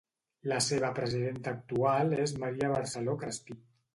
La seva presidenta actual és Maria Barceló Crespí.